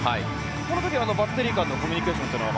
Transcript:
この時、バッテリー間のコミュニケーションは？